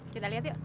kita lihat yuk